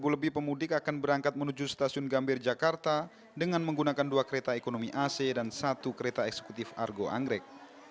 dua lebih pemudik akan berangkat menuju stasiun gambir jakarta dengan menggunakan dua kereta ekonomi ac dan satu kereta eksekutif argo anggrek